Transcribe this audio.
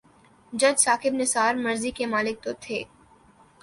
جج ثاقب نثار مرضی کے مالک تو تھے۔